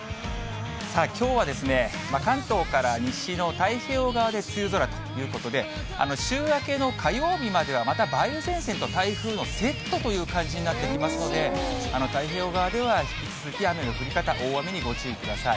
きょうは関東から西の太平洋側で梅雨空ということで、週明けの火曜日まではまた梅雨前線と台風のセットという感じになってきますので、太平洋側では引き続き雨の降り方、大雨にご注意ください。